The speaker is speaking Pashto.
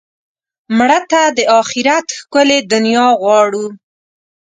مړه ته د آخرت ښکلې دنیا غواړو